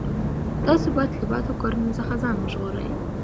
تاسو باید له بدو کارونو څخه ځان وژغورئ.